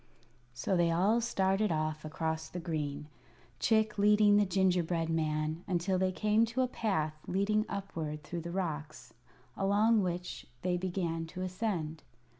So they all started off across the green, Chick leading the gingerbread man, until they came to a path leading upward through the rocks, along which they began to ascend.